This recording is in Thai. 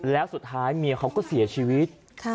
แล้วสุดท้ายเมียเขาก็เสียชีวิต